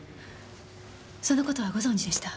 そのことはご存じでした？